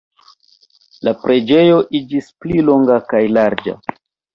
La preĝejo iĝis pli longa kaj larĝa.